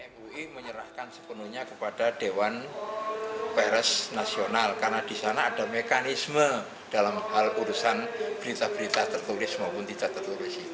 mui menyerahkan sepenuhnya kepada dewan peres nasional karena di sana ada mekanisme dalam hal urusan berita berita tertulis maupun tidak tertulis